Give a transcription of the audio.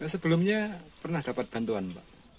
sebelumnya pernah dapat bantuan pak